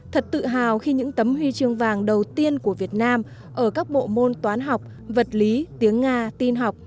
thật tự hào khi những tấm huy chương vàng đầu tiên của việt nam ở các bộ môn toán học vật lý tiếng nga tin học